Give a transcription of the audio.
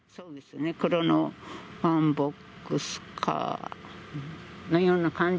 黒のワンボックスカーのような感じ。